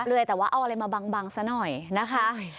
เลยแต่ว่าเอาอะไรมาบังซะหน่อยนะคะ